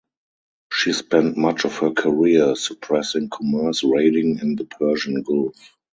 She spent much of her career suppressing commerce raiding in the Persian Gulf.